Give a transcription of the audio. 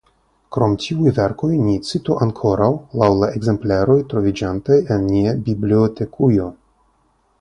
Krom tiuj verkoj ni citu ankoraŭ laŭ la ekzempleroj troviĝantaj en nia bibliotekujo.